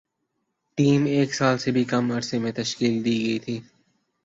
team ایک سال سے بھی کم عرصے میں تشکیل دی گئی تھی